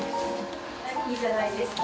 いいじゃないですか。